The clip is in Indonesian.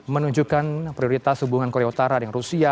menunjukkan prioritas hubungan korea utara dengan rusia